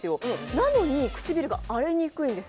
なのに唇が荒れにくいんです。